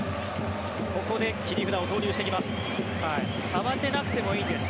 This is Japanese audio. ここで切り札を投入してきます。